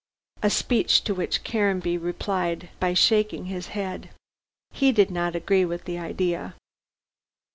A speech to which Caranby replied by shaking his head. He did not agree with the idea.